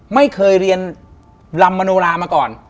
ไม่เคยเรียนลำมโนรามาก่อน